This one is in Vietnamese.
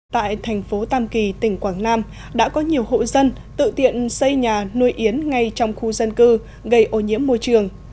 tại thành phố tam kỳ tỉnh quảng nam đã có nhiều hộ dân tự tiện xây nhà nuôi yến ngay trong khu dân cư gây ô nhiễm môi trường